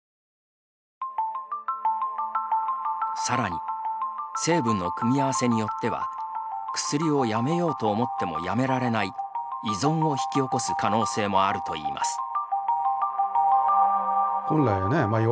さらに成分の組み合わせによっては薬をやめようと思ってもやめられない依存を引き起こす可能性もあるといいます。